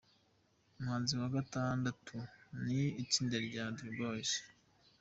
Umuhanzi wa Gatandatu ni itsinda rya Dream Boys.